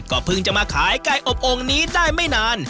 เพิ่งจะมาขายไก่อบองค์นี้ได้ไม่นาน